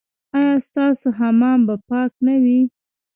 ایا ستاسو حمام به پاک نه وي؟